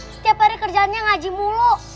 setiap hari kerjaannya ngaji mulu